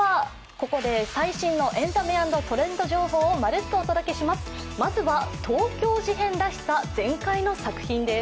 ここで最新のエンタメ＆トレンド情報をまるっとお届けします。